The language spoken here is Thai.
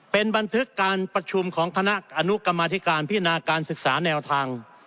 เป็นบันทึกการประชุมของคณะอนุกรรมธิการพินาการศึกษาแนวทาง